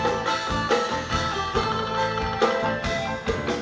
แถวน้ำขึ้นต้องรับคุณ